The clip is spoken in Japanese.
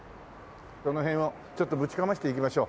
この辺をちょっとぶちかましていきましょう。